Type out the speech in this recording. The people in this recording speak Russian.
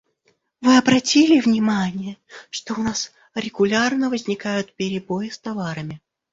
Вы обратили внимание, что у нас регулярно возникают перебои с товарами?